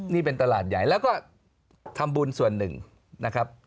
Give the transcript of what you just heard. นี่เป็นตลาดใหญ่แล้วก็ทำบุญส่วนหนึ่งนะครับ